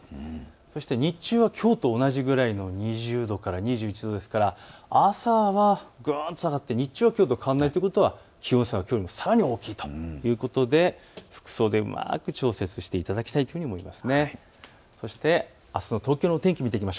そして日中はきょうと同じくらいの２０度から２１度ですから朝はぐんと下がって日中はきょうと変わらないということは気温差がさらに大きいということで服装でうまく調節していただきたいと思います。